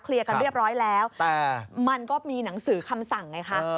กันเรียบร้อยแล้วแต่มันก็มีหนังสือคำสั่งไงคะ